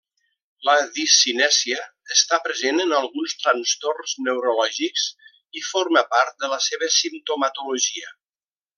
La discinèsia està present en alguns trastorns neurològics i forma part de la seva simptomatologia.